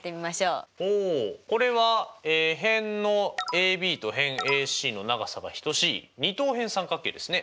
ほうこれは辺ＡＢと辺ＡＣの長さが等しい二等辺三角形ですね。